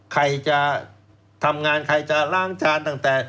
ใครจะทำงานใครจะล้างจานตั้งแต่